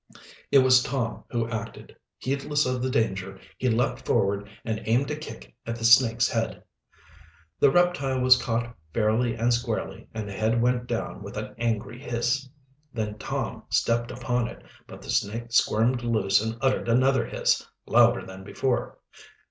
It was Tom who acted. Heedless of the danger, he leaped forward and aimed a kick at the snake's head. The reptile was caught fairly and squarely, and the head went down with an angry hiss. Then Tom stepped upon it, but the snake squirmed loose and uttered another hiss, louder than before.